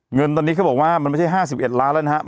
เงินตอนนี้เขาบอกว่ามันไม่ใช่๕๑ล้านแล้วนะครับ